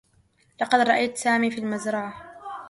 لقد رأيت سامي في المزرعة.